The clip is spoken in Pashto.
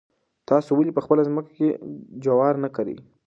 تاسو ولې په خپله ځمکه کې جوار نه کرئ؟